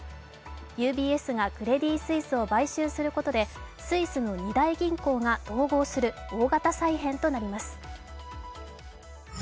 ＵＢＳがクレディ・スイスを買収することでスイスの２大銀行が統合する大型再編となります。